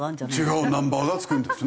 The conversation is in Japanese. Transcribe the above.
違うナンバーが付くんですね。